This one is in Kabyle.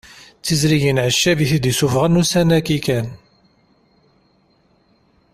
D tiẓrigin Ɛeccab i t-id-isuffɣen ussan-agi kan